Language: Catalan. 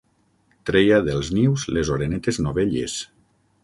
Treia dels nius les orenetes novelles.